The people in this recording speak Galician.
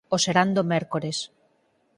O serán do mércores…